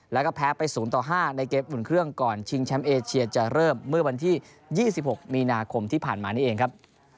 แล้วก็แพ้ไป๐ต่อ๕ในเกมอุ่นเครื่องก่อนชิงแชมป์เอเชียจะเริ่มเมื่อวันที่๒๖มีนาคมที่ผ่านมานี้เองครับ